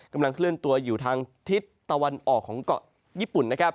กำลังเคลื่อนตัวอยู่ทางทิศตะวันออกของเกาะญี่ปุ่นนะครับ